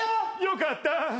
よかった。